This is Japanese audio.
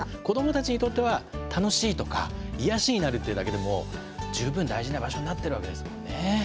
子どもたちにとっては「楽しい」とか「癒やしになる」っていうだけでも十分大事な場所になってるわけですもんね。